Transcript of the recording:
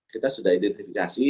kita sudah identifikasi